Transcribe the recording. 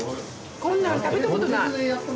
こんなん食べたことない。